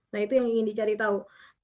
nah itu yang ingin dicari tahu